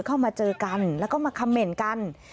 เข้ามาเจอกันแล้วก็มาคำเมนต์กัน